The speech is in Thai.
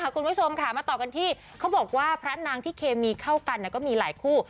คุณผู้ชมค่ะมาต่อกันที่เขาบอกว่าพระนางที่เคมีเข้ากันก็มีหลายคู่